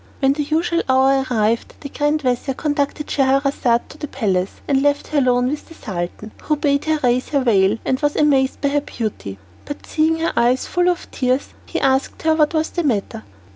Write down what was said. When the usual hour arrived the grand vizir conducted Scheherazade to the palace, and left her alone with the Sultan, who bade her raise her veil and was amazed at her beauty. But seeing her eyes full of tears, he asked what was the matter.